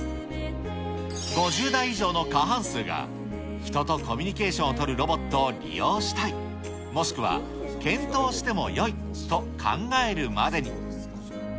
５０代以上の過半数が人とコミュニケーションを取るロボットを利用したい、もしくは検討してもよいと考えるまでに。